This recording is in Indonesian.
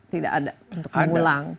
tidak ada untuk mengulang